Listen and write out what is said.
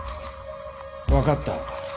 分かった。